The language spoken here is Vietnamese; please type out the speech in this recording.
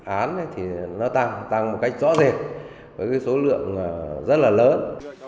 án thì nó tăng tăng một cách rõ rệt với cái số lượng rất là lớn